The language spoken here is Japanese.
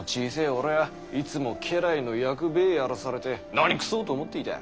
俺はいつも家来の役べぇやらされて何くそと思っていた。